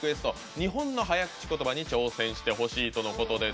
日本の早口ことばに挑戦してほしい！とのことです。